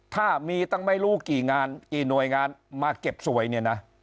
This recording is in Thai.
ถ้ามีตั้งไม่รู้กี่น้อยงานมาเก็บสวยเนี่ยนะ